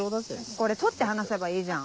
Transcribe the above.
これ取って話せばいいじゃん。